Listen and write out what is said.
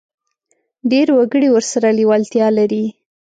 ډېر وګړي ورسره لېوالتیا لري.